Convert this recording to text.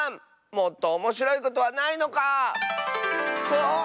もっとおもしろいことはないのか⁉ああっ。